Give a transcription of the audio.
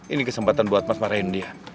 ini kesempatan buat mas marahin dia